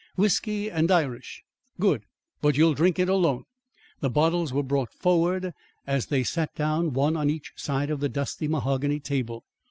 "Whisky and Irish." "Good! but you'll drink it alone." The bottles were brought forward and they sat down one on each side of the dusty mahogany table.